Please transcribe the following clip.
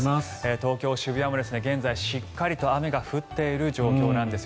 東京・渋谷も現在、しっかりと雨が降っている状況です。